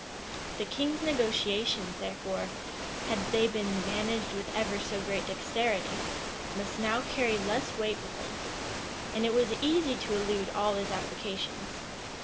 The king's negotiations, therefore, had they been managed with ever so great dexterity, must now carry less weight with them; and it was easy to elude all his applications.